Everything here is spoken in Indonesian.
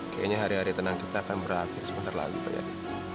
kayaknya hari hari tenang kita akan berakhir sebentar lagi pak ya